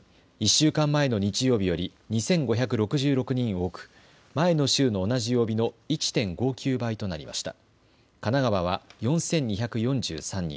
１週間前の日曜日より２５６６人多く前の週の同じ曜日の１．５９倍となりました。